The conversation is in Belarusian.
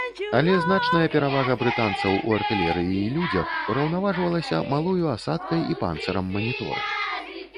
Але значная перавага брытанцаў у артылерыі і людзях ураўнаважвалася малою асадкай і панцырам манітора.